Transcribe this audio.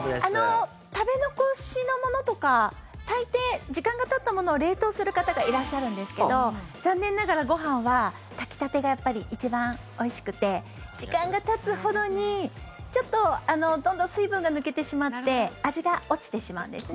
食べ残しのものとか大抵、時間がたったものを冷凍する方がいらっしゃるんですけど残念ながら、ご飯は炊きたてがやっぱり一番おいしくて時間がたつほどに、ちょっとどんどん水分が抜けてしまって味が落ちてしまうんですね。